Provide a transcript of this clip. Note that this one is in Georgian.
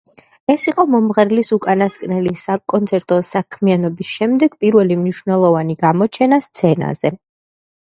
ეს იყო მომღერლის უკანასკნელი საკონცერტო საქმიანობის შემდეგ პირველი მნიშვნელოვანი გამოჩენა სცენაზე.